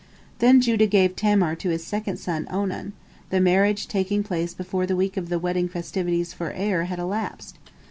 Then Judah gave Tamar to his second son Onan, the marriage taking place before the week of the wedding festivities for Er had elapsed.